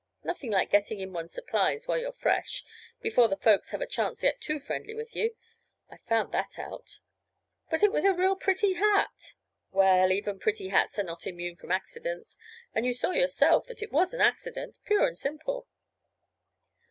Nothing like getting in one's supplies while you're fresh—before the folks have a chance to get too friendly with you. I've found that out." "But it was a real pretty hat." "Well, even pretty hats are not immune from accidents, and you saw yourself that it was an accident—pure and simple."